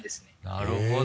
なるほど。